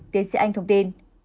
tiến sĩ anh thông tin